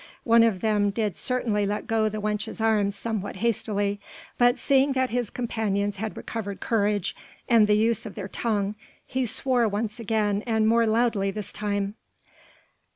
One of them did certainly let go the wench's arm somewhat hastily, but seeing that his companions had recovered courage and the use of their tongue, he swore once again and more loudly this time.